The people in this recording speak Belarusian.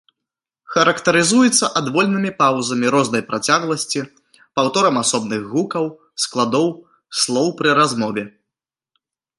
Характарызуецца адвольнымі паўзамі рознай працягласці паўторам асобных гукаў, складоў, слоў пры размове.